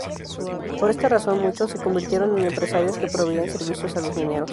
Por esta razón, muchos se convirtieron en empresarios que proveían servicios a los mineros.